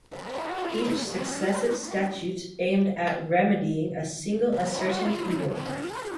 Each successive statute aimed at remedying a single ascertained evil.